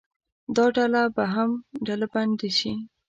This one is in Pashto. دا ډله به هم ډلبندي شي.